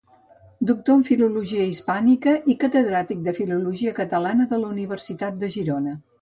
Doctor en Filologia Hispànica i catedràtic de Filologia Catalana de la Universitat de Girona.